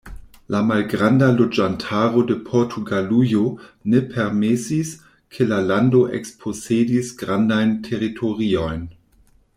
La malgranda loĝantaro de Portugalujo ne permesis, ke la lando ekposedis grandajn teritoriojn.